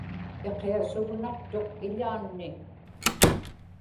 iqiasugnaqtuq iḷaanni